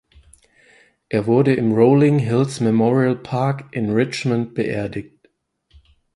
Er wurde im Rolling Hills Memorial Park in Richmond beerdigt.